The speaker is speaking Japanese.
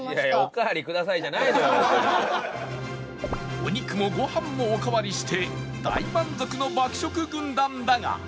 お肉もご飯もおかわりして大満足の爆食軍団だが